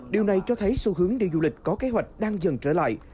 điều này cho thấy xu hướng đi du lịch có kế hoạch đang dần trở lại